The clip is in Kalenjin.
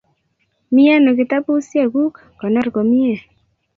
Miano kitapusyek kuk? Konor komnye